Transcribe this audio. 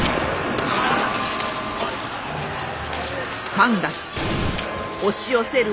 ３月押し寄せる